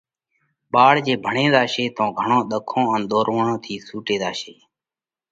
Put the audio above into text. ٻاۯ جي ڀڻي زاشي تو گھڻون ۮکون ان ۮورووڻون ٿِي سُوٽي زاشي۔